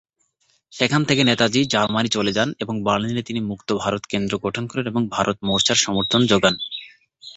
সেখান থেকে নেতাজি জার্মানি চলে যান এবং বার্লিনে তিনি মুক্ত ভারত কেন্দ্র গঠন করেন এবং ভারত মোর্চার সমর্থন যোগান।